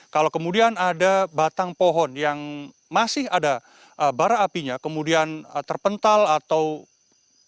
kalau kemudian ada batang pohon yang masih ada bara apinya kemudian terpental